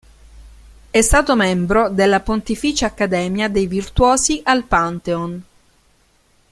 È stato membro della Pontificia Accademia dei Virtuosi al Pantheon.